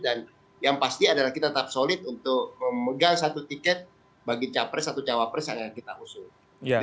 dan yang pasti adalah kita tetap solid untuk memegang satu tiket bagi capres atau cawapres yang akan kita usul